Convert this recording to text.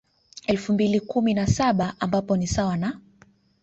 Elfu mbili kumi na saba ambapo ni sawa na